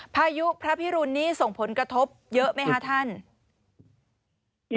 พายุพระพิรุณนี้ส่งผลกระทบเยอะไหมคะท่าน